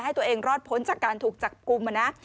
ให้ตัวเองรอดพ้นจากการถูกจับกลุ่มนะ